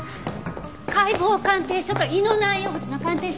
解剖鑑定書と胃の内容物の鑑定書！